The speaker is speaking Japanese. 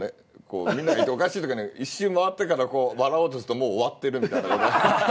おかしいときに一周回ってから笑おうとするともう終わってるみたいな。